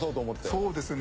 そうですね。